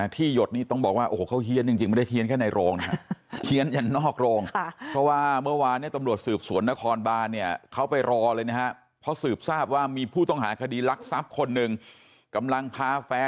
ที่หยดนี่ก็สองสามร้อยล้านละ